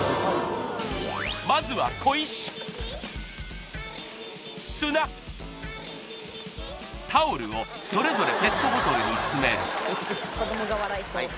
まずは小石砂タオルをそれぞれペットボトルに詰めはい